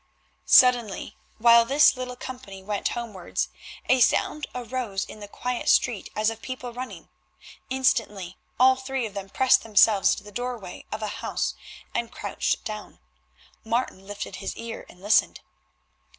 Suddenly while this little company went homewards a sound arose in the quiet street as of people running. Instantly all three of them pressed themselves into the doorway of a house and crouched down. Martin lifted his ear and listened.